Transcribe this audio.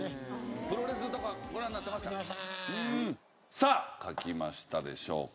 さあ書きましたでしょうか。